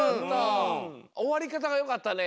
おわりかたがよかったね。